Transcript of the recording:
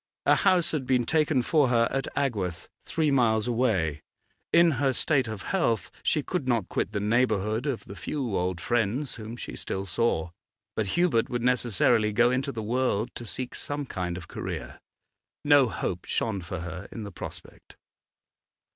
A house had been taken for her at Agworth, three miles away; in her state of health she could not quit the neighbourhood of the few old friends whom she still saw. But Hubert would necessarily go into the world to seek some kind of career. No hope shone for her in the prospect.